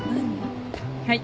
はい。